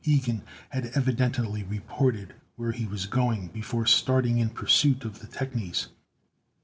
Ilgen had evidently reported where he was going before starting in pursuit of the technies.